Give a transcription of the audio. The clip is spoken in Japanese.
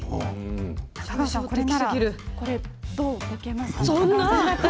中川さんならどう、ぼけますか？